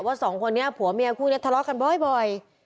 สองคนนี้ผัวเมียคู่นี้ทะเลาะกันบ่อย